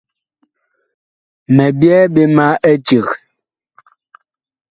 Mi byɛɛ ɓe ma eceg.